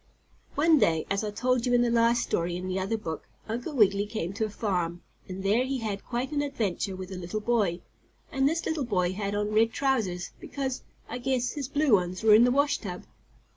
One day, as I told you in the last story in the other book, Uncle Wiggily came to a farm, and there he had quite an adventure with a little boy. And this little boy had on red trousers, because, I guess, his blue ones were in the washtub.